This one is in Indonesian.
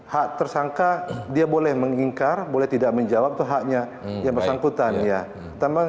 hak tersangka dia boleh mengingkar boleh tidak menjawab itu haknya yang bersangkutan ya